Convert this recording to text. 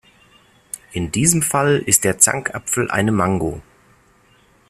In diesem Fall ist der Zankapfel eine Mango.